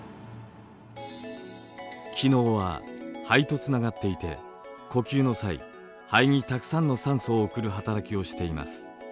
気のうは肺とつながっていて呼吸の際肺にたくさんの酸素を送る働きをしています。